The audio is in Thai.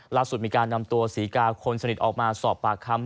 ล่าสุดมีการนำตัวศรีกาคนสนิทออกมาสอบปากคำ